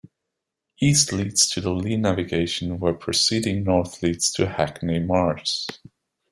East leads to the Lee Navigation where proceeding north leads to Hackney Marshes.